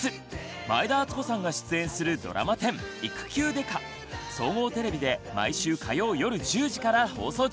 前田敦子さんが出演するドラマ１０総合テレビで毎週火曜夜１０時から放送中です！